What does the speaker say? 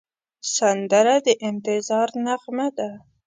سندره د انتظار نغمه ده